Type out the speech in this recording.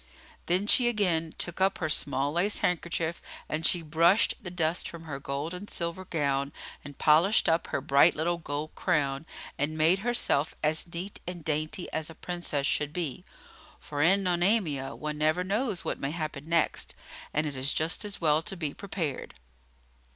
Then she again took up her small lace handkerchief, and she brushed the dust from her gold and silver gown, and polished up her bright little gold crown, and made herself as neat and dainty as a Princess should be; for, in Nonamia, one never knows what may happen next, and it is just as well to be prepared.